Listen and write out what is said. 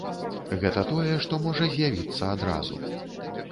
Гэта тое, што можа з'явіцца адразу.